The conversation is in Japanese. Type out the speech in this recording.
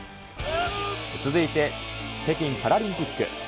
続いて、北京パラリンピック。